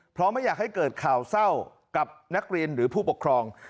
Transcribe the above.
เพราะไม่อยากให้เกิดข่าวเศร้ากับนักเรียนหรือผู้ปกครอง